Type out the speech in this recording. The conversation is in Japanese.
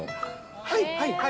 はいはいはい。